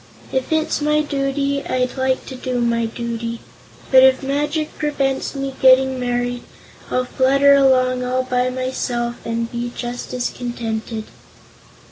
If it's my duty, I'd like to do my duty, but if magic prevents my getting married I'll flutter along all by myself and be just as contented."